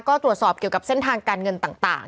ก็ตรวจสอบเกี่ยวกับเส้นทางการเงินต่าง